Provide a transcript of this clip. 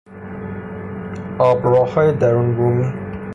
آبراههای درونبومی